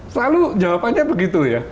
selalu jawabannya begitu ya